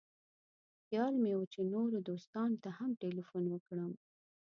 خیال مې و چې نورو دوستانو ته هم تیلفون وکړم.